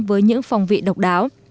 với những phòng vị độc đáo